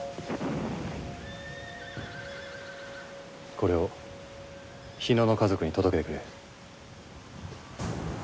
これを日野の家族に届けてくれ。